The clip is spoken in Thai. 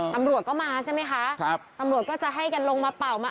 ตำรวจก็มาใช่ไหมคะครับตำรวจก็จะให้กันลงมาเป่ามา